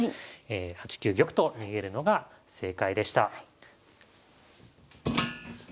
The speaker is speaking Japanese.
８九玉と逃げるのが正解でした。